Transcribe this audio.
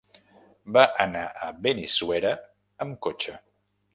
Va anar a Benissuera amb cotxe.